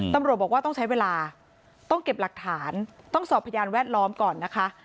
ตำรวจบอกว่าต้องใช้เวลาต้องเก็บหลักฐานต้องสอบพยานแวดล้อมก่อนนะคะ